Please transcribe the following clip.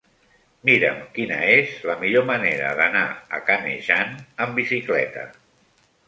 Mira'm quina és la millor manera d'anar a Canejan amb bicicleta.